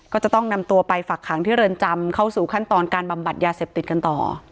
ก็จะต้องนำตัวไปฝักขังที่เรือนจำเข้าสู่ขั้นตอนการบำบัดยาเสพติดกันต่อ